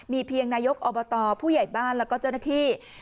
เพียงนายกอบตผู้ใหญ่บ้านแล้วก็เจ้าหน้าที่